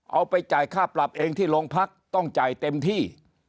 เอาไปจ่ายค่าปรับเองที่โรงพักต้องจ่ายเต็มที่